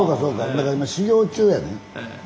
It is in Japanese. だから今修業中やねいわゆる。